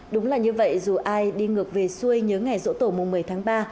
đúng là như vậy dù ai đi ngược về xuôi nhớ ngày dỗ tổ mùa một mươi tháng ba